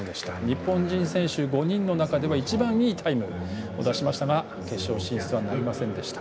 日本人選手５人の中では一番いいタイムを出しましたが決勝進出はなりませんでした。